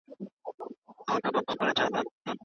موږ په ټولګي کښي چوپ یو.